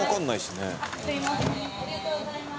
すみません。